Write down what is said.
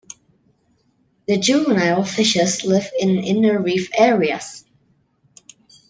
The juvenile fishes live in the inner reef areas.